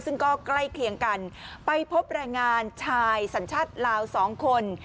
ซึ่งก็ใกล้เคียงกันไปพบแรงงานชายสัญชาติลาว๒คน